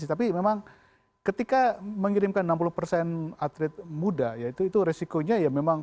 tapi memang ketika mengirimkan enam puluh persen atlet muda yaitu itu resikonya ya memang